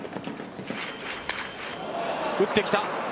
打ってきた。